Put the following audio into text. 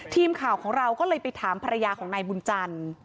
ทีมข่าวของเราก็เลยไปถามภรรยาของนายบุญจันทร์